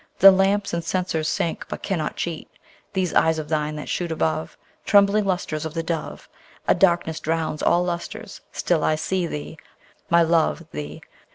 The lamps and censers sink, but cannot cheat These eyes of thine that shoot above Trembling lustres of the dove! A darkness drowns all lustres: still I see Thee, my love, thee!